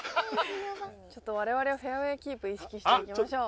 ちょっと我々はフェアウェイキープ意識していきましょう。